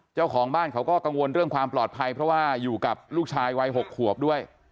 เจ้าของบ้านเขาก็กังวลเรื่องความปลอดภัยเพราะว่าอยู่กับลูกชายวัย๖ขวบด้วย